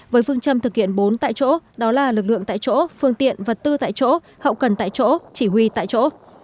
với phương châm thực hiện bốn tại chỗ đó là lực lượng tại chỗ phương tiện vật tư tại chỗ hậu cần tại chỗ chỉ huy tại chỗ